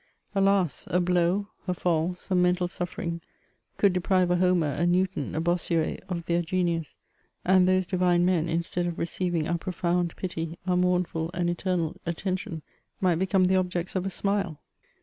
Alas ! a blow, a fall, some mental suffering, could deprive a Homer, a Newton, a Bossuet, of their genius ; and those divine men, instead of receiving our profound pity, our mournful and eternal attention, might become the objects of a smile